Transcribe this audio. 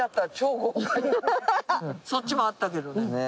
そっちもあったけどね。